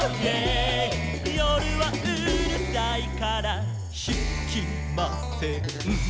「よるはうるさいからひきません」